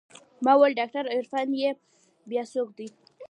ما وويل ډاکتر عرفان يې بيا څوک دى.